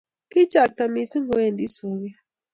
kichakta mising' kowendi soket